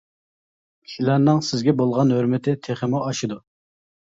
كىشىلەرنىڭ سىزگە بولغان ھۆرمىتى تېخىمۇ ئاشىدۇ.